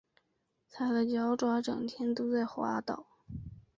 他的脚爪整天都在滑倒